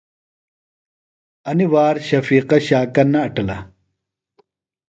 انیۡ وار شفیقہ شاکہ نہ اٹِلہ۔